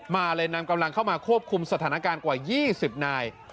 มาเลยนำกำลังเข้ามาควบคุมสถานการณ์กว่า๒๐นาย